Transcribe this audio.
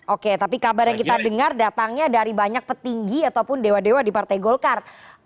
oke tapi kabar yang kita dengar datangnya dari banyak petinggi ataupun dewa dewa di partai golkar